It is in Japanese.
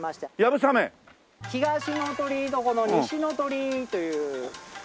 東の鳥居とこの西の鳥居というこの間で。